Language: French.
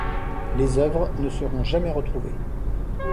Les œuvres ne seront jamais retrouvées.